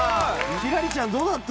輝星ちゃんどうだった？